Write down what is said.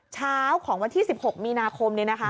เช้าของวันที่๑๖มีนาคมนี้นะคะ